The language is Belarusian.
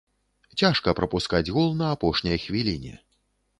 Цяжка прапускаць гол на апошняй хвіліне.